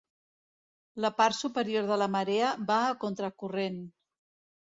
La part superior de la marea va a contracorrent.